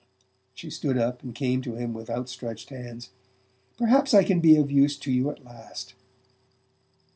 She stood up and came to him with outstretched hands. "Perhaps I can be of use to you at last!"